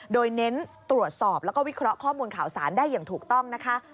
โดยเน้นตรวจสอบแล้วก็วิเคราะห์ข้อมูลข่าวสารได้อย่างถูกต้องนะคะ